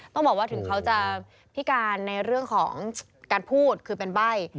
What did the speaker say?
ต้องบอกว่าถึงเขาจะพิการในเรื่องของการพูดคือเป็นใบ้